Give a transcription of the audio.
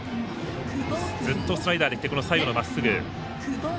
ずっとスライダーでいってこの左右のまっすぐ。